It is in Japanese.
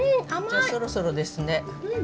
じゃあそろそろですね。